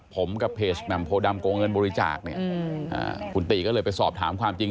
ผมกับเพจแหม่มโพดำโกงเงินบริจาคเนี่ยคุณตีก็เลยไปสอบถามความจริง